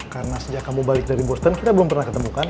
karena sejak kamu balik dari boston kita belum pernah ketemu kan